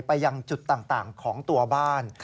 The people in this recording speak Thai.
ไปยังจุดต่างของตัวบ้าน